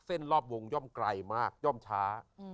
รอบวงย่อมไกลมากย่อมช้า